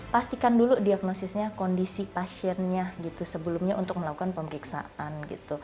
pastikan dulu diagnosisnya kondisi pasiennya sebelumnya untuk melakukan pemeriksaan